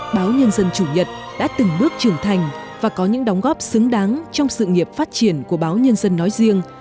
báo nhân dân chủ nhật đã từng bước trưởng thành và có những đóng góp xứng đáng trong sự nghiệp phát triển của báo nhân dân nói riêng